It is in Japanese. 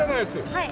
はい。